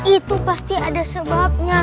itu pasti ada sebabnya